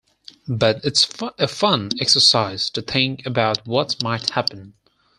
But it's a fun exercise to think about what might happen.